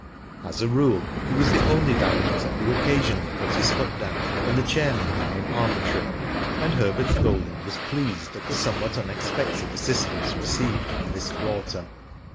As a rule, he was the only director who occasion ally put his foot down when the chairman became arbitrary, and Herbert Golding was pleased at the somewhat unexpected assistance received from this quarter.